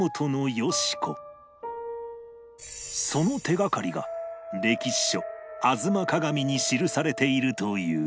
その手掛かりが歴史書『吾妻鏡』に記されているという